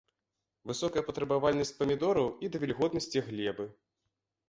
Высокая патрабавальнасць памідораў і да вільготнасці глебы.